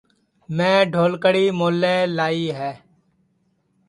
میں ڈھلکڑی مولے لائی ہے